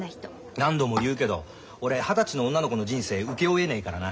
何度も言うけど俺二十歳の女の子の人生請け負えねえからな。